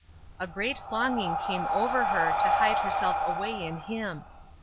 A great longing came over her to hide herself away in him.